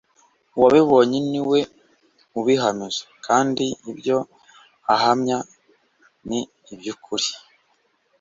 Uwabibonye ni we ubihamije kandi ibyo ahamya ni iby'ukuri